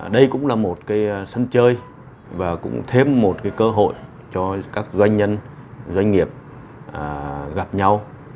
đây cũng là một sân chơi và cũng thêm một cơ hội cho các doanh nhân doanh nghiệp gặp nhau